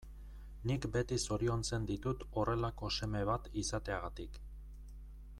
Nik beti zoriontzen ditut horrelako seme bat izateagatik.